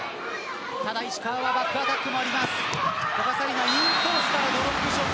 ただ石川はバックアタックも合います。